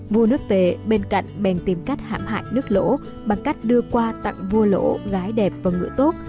vua nước tế bên cạnh bèn tìm cách hãm hại nước lỗ bằng cách đưa qua tặng vua lỗ gái đẹp và ngựa tốt